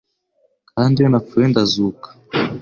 Kandi iyo napfuye ndazuka